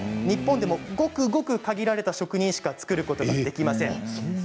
日本でもごくごく限られた職人しか作ることができません。